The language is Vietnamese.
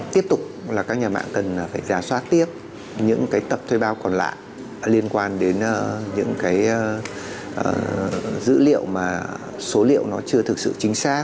tiếp tục là các nhà mạng cần phải giả soát tiếp những cái tập thuê bao còn lại liên quan đến những cái dữ liệu mà số liệu nó chưa thực sự chính xác